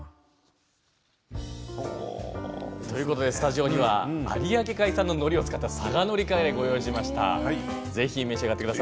スタジオには有明産ののり使った佐賀のりカレーを用意しました。